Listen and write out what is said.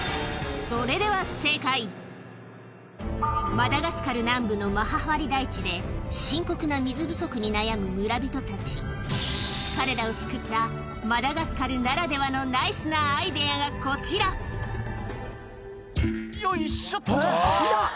それではマダガスカル南部のマハファリ台地で深刻な水不足に悩む村人たち彼らを救ったマダガスカルならではのナイスなアイデアがこちらよいしょっと。